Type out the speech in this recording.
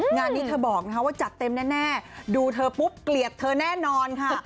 งานนี้เธอบอกว่าจัดเต็มแน่ดูเธอปุ๊บเกลียดเธอแน่นอนค่ะ